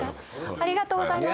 ありがとうございます。